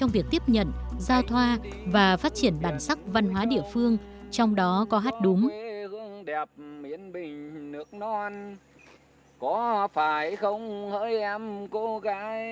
việc tiếp nhận giao thoa và phát triển bản sắc văn hóa địa phương trong đó có hát đúng